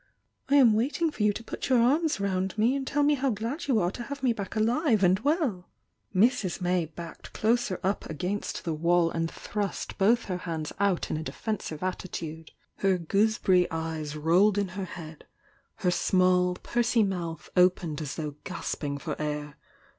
— I am waiting for you to put your arms round me and tell me how glad you are to have me back alive and well!" Mrs. May backed closer up against the wall and THE YOUNG DIANA 880 thrust both her hands out in a defensive atUtude Her gooseberry eyes rolled in her head,— her small pursy mouth opened as though gasping for air.